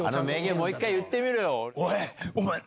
もう１回言ってみろよ。